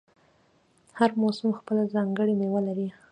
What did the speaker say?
هر موسم خپله ځانګړې میوه لري.